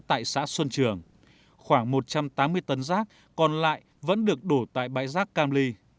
tại xã xuân trường khoảng một trăm tám mươi tấn rác còn lại vẫn được đổ tại bãi rác cam ly